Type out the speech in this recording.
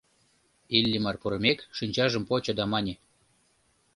Иллимар пурымек, шинчажым почо да мане: